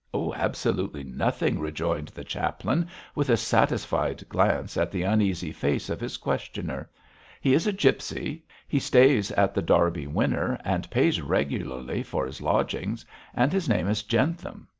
'Absolutely nothing,' rejoined the chaplain, with a satisfied glance at the uneasy face of his questioner. 'He is a gipsy; he stays at The Derby Winner and pays regularly for his lodgings; and his name is Jentham.